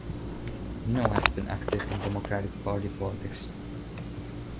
Minow has been active in Democratic party politics.